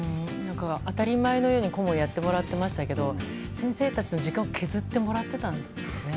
当たり前のように顧問をやってもらってましたけど先生たちの時間を削ってもらってたんですね。